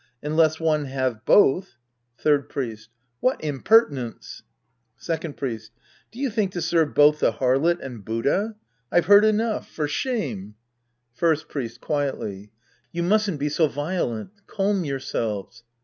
Unless one have both — Third Priest. What impertinence ! Second Priest. Do you think to serve both the harlot and Buddha ? I've heard enough. For shame ! Sc. I The Priest and His Disciples 191 First Priest {quietly). You mustn't be so violent. Calm yourselves.